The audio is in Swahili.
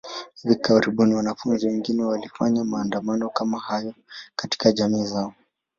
Hivi karibuni, wanafunzi wengine walifanya maandamano kama hayo katika jamii zao.